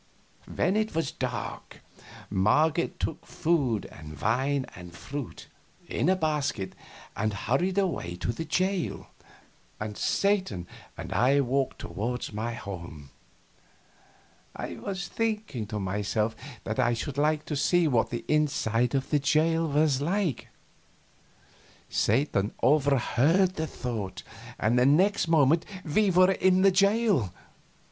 When it was dark Marget took food and wine and fruit, in a basket, and hurried away to the jail, and Satan and I walked toward my home. I was thinking to myself that I should like to see what the inside of the jail was like; Satan overheard the thought, and the next moment we were in the jail.